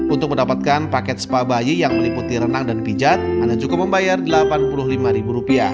untuk mendapatkan paket spa bayi yang meliputi renang dan pijat anda cukup membayar rp delapan puluh lima